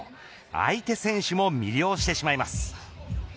相手選手も魅了してしまいます。